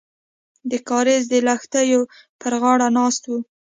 د کاریز د لښتیو پر غاړه ناست وو.